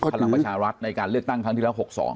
พลังประชารัฐในการเลือกตั้งครั้งที่แล้ว๖๒